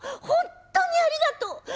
本当にありがとう。